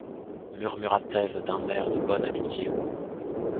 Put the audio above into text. murmura-t-elle d’un air de bonne amitié.